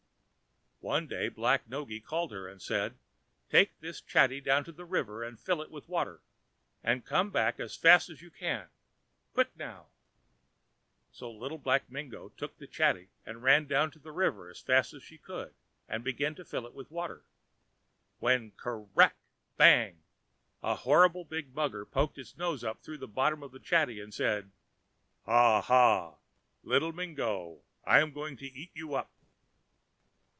One day Black Noggy called her, and said: "Take this chatty down to the river and fill it with water, and come back as fast as you can—quick now!" So Little Black Mingo took the chatty and ran down to the river as fast as she could, and began to fill it with water, when cr r rrrack!!! bang!!! a horrible big mugger poked its nose up through the bottom of the chatty and said: "Ha, ha! Little Mingo, I'm going to eat you up!"